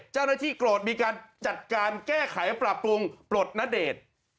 เจ้าหน้าที่โกรธมีการจัดการแก้ไขปรับปรุงปลดณเดชน์